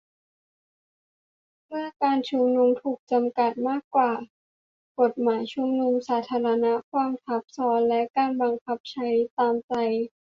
เมื่อการชุมนุม ถูกจำกัดมากกว่ากฎหมายชุมนุมสาธารณะ : ความทับซ้อนและการบังคับใช้ตามใจ